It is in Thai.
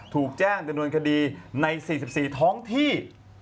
ถูกแจ้งจำนวนคดีใน๔๔ท้องที่